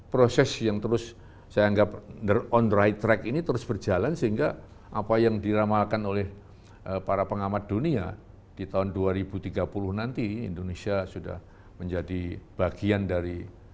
proses yang terus saya anggap on the right track ini terus berjalan sehingga apa yang diramalkan oleh para pengamat dunia di tahun dua ribu tiga puluh nanti indonesia sudah menjadi bagian dari